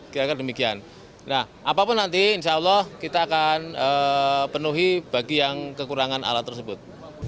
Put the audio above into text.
kira kira demikian nah apapun nanti insya allah kita akan penuhi bagi yang kekurangan alat tersebut